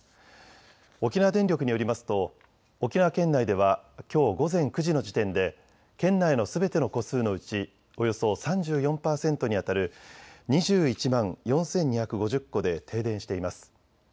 沖縄電力によりますと沖縄県内ではきょう午前９時の時点で県内のすべての戸数のうちおよそ３４％にあたる２１万４２５０戸で停電しています。